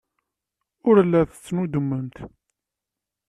Ur la tettnuddumemt.